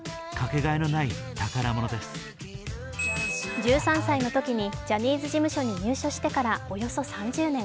１３歳のときにジャニーズ事務所に入所してからおよそ３０年。